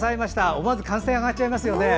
思わず歓声が上がっちゃいますね。